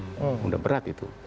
sudah berat itu